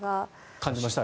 感じました？